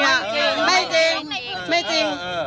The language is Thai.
นายยกเขาบอกว่าตอนในพื้นที่